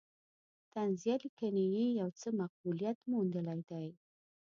طنزیه لیکنې یې یو څه مقبولیت موندلی دی.